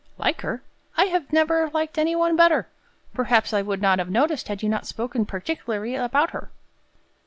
"Like her? I have never liked any one better. Perhaps I would not have noticed, had you not spoken particularly about her."